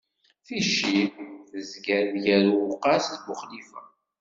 Ticci tezga-d gar Uwqas d Buxlifa.